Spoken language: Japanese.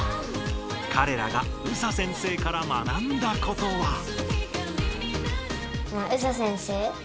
かれらがＳＡ先生から学んだことは。